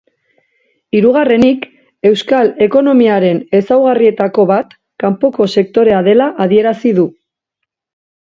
Hirugarrenik, euskal ekonomiaren ezaugarrietako bat kanpoko sektorea dela adierazi du.